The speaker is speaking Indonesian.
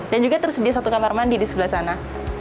dan juga tersedia satu kamar mandi di sebelah sana